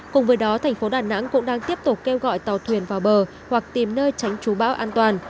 cùng với đó thành phố đà nẵng cũng đang tiếp tục kêu gọi tàu thuyền vào bờ hoặc tìm nơi tránh trú bão an toàn